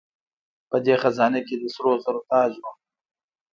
په دې خزانه کې د سرو زرو تاج و